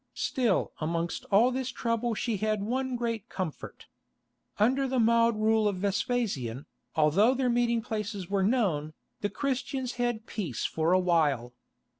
Still amongst all this trouble she had one great comfort. Under the mild rule of Vespasian, although their meeting places were known, the Christians had peace for a while.